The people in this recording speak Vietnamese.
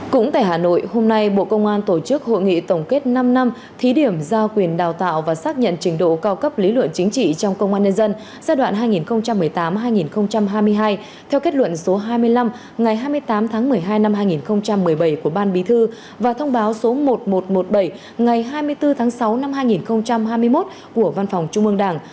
cũng tại hà nội hôm nay bộ công an tổ chức hội nghị tổng kết năm năm thí điểm giao quyền đào tạo và xác nhận trình độ cao cấp lý luận chính trị trong công an nhân dân giai đoạn hai nghìn một mươi tám hai nghìn hai mươi hai theo kết luận số hai mươi năm ngày hai mươi tám tháng một mươi hai năm hai nghìn một mươi bảy của ban bí thư và thông báo số một nghìn một trăm một mươi bảy ngày hai mươi bốn tháng sáu năm hai nghìn hai mươi một của văn phòng trung mương đảng